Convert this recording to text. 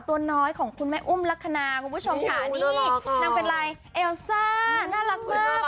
ตัวน้อยของคุณแม่อุ้มลักษณะคุณผู้ชมค่ะนี่นางเป็นอะไรเอลซ่าน่ารักมาก